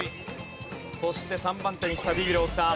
そして３番手にきたビビる大木さん。